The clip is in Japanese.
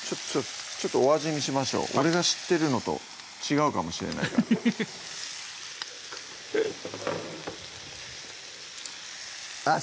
ちょっとお味見しましょう俺が知ってるのと違うかもしれないからあっ